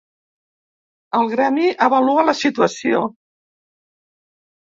El gremi avalua la situació.